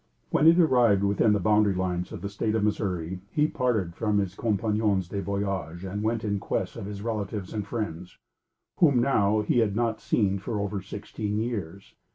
When it arrived within the boundary lines of the State of Missouri, he parted from his compagnons de voyage and went in quest of his relatives and friends, whom, now, he had not seen for over sixteen years.